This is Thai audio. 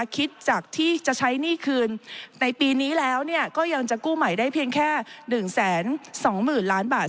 คิดจากที่จะใช้หนี้คืนในปีนี้แล้วก็ยังจะกู้ใหม่ได้เพียงแค่๑๒๐๐๐ล้านบาท